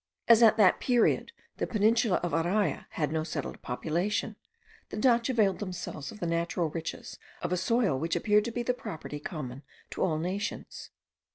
As at that period the peninsula of Araya had no settled population, the Dutch availed themselves of the natural riches of a soil which appeared to be property common to all nations.